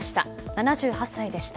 ７８歳でした。